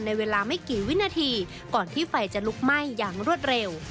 เวลาไม่กี่วินาทีก่อนที่ไฟจะลุกไหม้อย่างรวดเร็ว